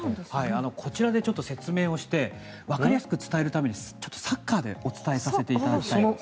こちらで説明をしてわかりやすく伝えるためにサッカーでお伝えさせていただきます。